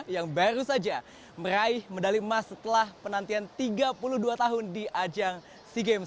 yang baru saja meraih medali emas setelah penantian tiga puluh dua tahun di ajang sea games